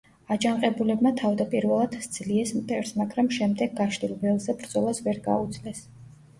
აჯანყებულებმა თავდაპირველად სძლიეს მტერს, მაგრამ შემდეგ გაშლილ ველზე ბრძოლას ვერ გაუძლეს.